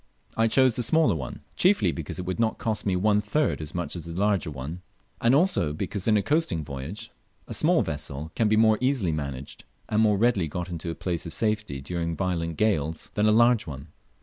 I chose the smaller one, chiefly because it would not cost me one third as much as the larger one, and also because in a coasting voyage a small vessel can be more easily managed, and more readily got into a place of safety during violent gales, than a large one.